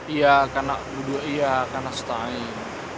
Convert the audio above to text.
ya kanak budu'iya kanak seta'ain